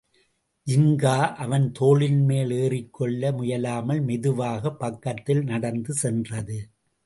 ஜின்கா அவன் தோளின்மேல் ஏறிக்கொள்ள முயலாமல் மெதுவாகப் பக்கத்தில் நடந்து சென்றது.